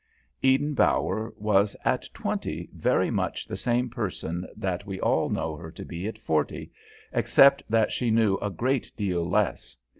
Eden Bower was, at twenty, very much the same person that we all know her to be at forty, except that she knew a great deal less.